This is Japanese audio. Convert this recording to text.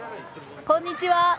こんにちは！